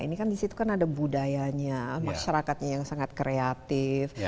ini kan di situ kan ada budayanya masyarakatnya yang sangat kreatif